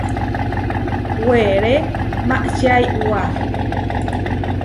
Weré maʼčía iʼwá.